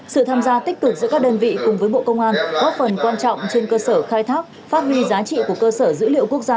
sự tham gia tích cực giữa các đơn vị cùng với bộ công an góp phần quan trọng trên cơ sở khai thác phát huy giá trị của cơ sở dữ liệu quốc gia